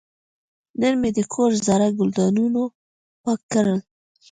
نن مې د کور زاړه ګلدانونه پاک کړل.